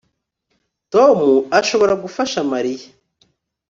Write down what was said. Tom arashobora gufasha Mariya